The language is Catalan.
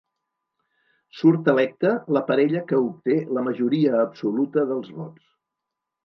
Surt electe la parella que obté la majoria absoluta dels vots.